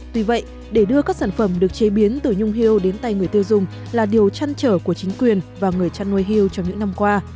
tuy vậy để đưa các sản phẩm được chế biến từ nhung hiêu đến tay người tiêu dùng là điều chăn trở của chính quyền và người chăn nuôi hiêu trong những năm qua